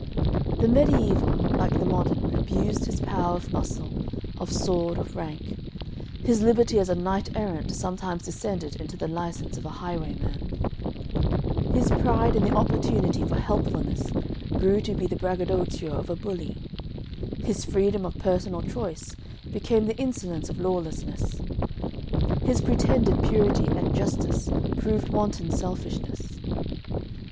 The Mediaeval, like the Modern, abused his power of muscle, of sword, of rank. His liberty as a knight errant sometimes descended into the licence of a highwayman; his pride in the opportunity for helpfulness grew to be the braggadocio of a bully; his freedom of personal choice became the insolence of lawlessness; his pretended purity and justice proved wanton selfishness.